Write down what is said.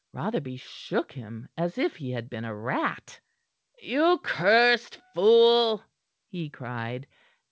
Rotherby shook him as if he had been a rat. "You cursed fool!" he cried.